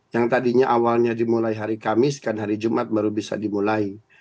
yang tadinya awalnya dimulai hari kamis kan hari jumat baru bisa dimulai